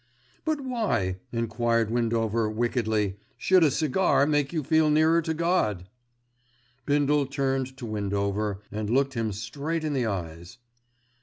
"But why," enquired Windover wickedly, "should a cigar make you feel nearer to God?" Bindle turned to Windover and looked him straight in the eyes.